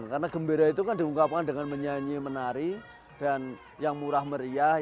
karena kegembiraan itu kan diungkapkan dengan menyanyi menari dan yang murah meriah